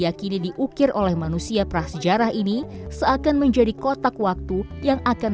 jadi ini bisa kita bayangkan bahwa ini adalah tempat tinggalnya masa purba dulu